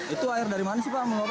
itu air dari mana sih pak